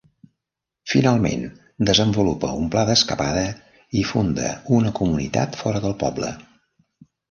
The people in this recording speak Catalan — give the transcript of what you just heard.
Finalment, desenvolupa un pla d'escapada i funda una comunitat fora del poble.